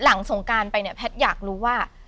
สงการไปเนี่ยแพทย์อยากรู้ว่า